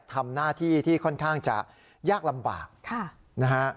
ทำหน้าที่ที่ค่อนข้างจะยากลำบากนะฮะ